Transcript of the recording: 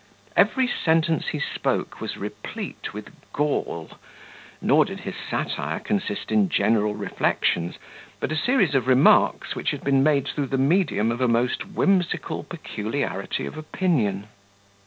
Every sentence he spoke was replete with gall; nor did his satire consist in general reflections, but a series of remarks, which had been made through the medium of a most whimsical peculiarity of opinion.